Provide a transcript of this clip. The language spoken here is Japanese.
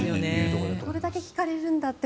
これだけ引かれるんだって